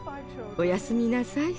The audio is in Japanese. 「おやすみなさい。